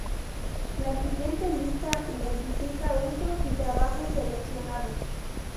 La siguiente lista identifica usos y trabajos seleccionados.